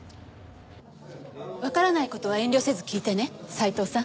わからない事は遠慮せず聞いてね斉藤さん。